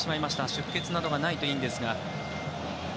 出血などがないといいんですが。